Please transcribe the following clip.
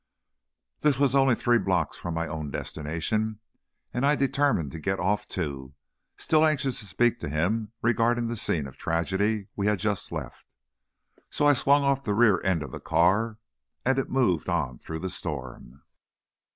This was only three blocks from my own destination, and I determined to get off, too, still anxious to speak to him regarding the scene of tragedy we had just left. So I swung off the rear end of the car, and it moved on through the storm.